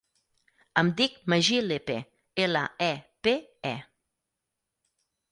Em dic Magí Lepe: ela, e, pe, e.